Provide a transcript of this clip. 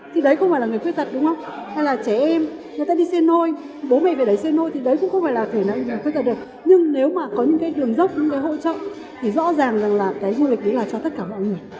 thì rõ ràng là cái nguồn lịch đấy là cho tất cả mọi người